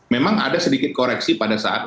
memang ada sedikit koreksi pada saat